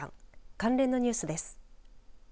関連のニュースです。